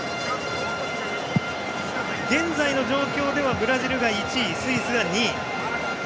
現在の状況ではブラジルが１位でスイスが２位。